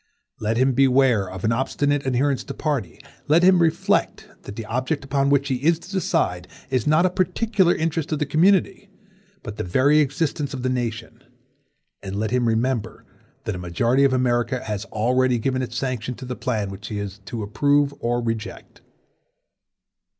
Let him beware of an obstinate adherence to party; let him reflect that the object upon which he is to decide is not a particular interest of the community, but the very existence of the nation; and let him remember that a majority of America has already given its sanction to the plan which he is to approve or reject.